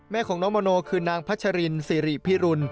แม่ของน้องมโนคือนางพัชรินสิริพิรุณ